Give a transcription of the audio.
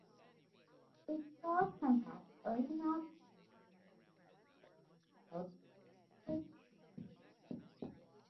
The school conducts original scientific research in several fields of physics and technology.